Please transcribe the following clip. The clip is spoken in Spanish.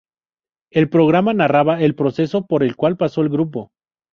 El programa narraba el proceso por el cual pasó el grupo.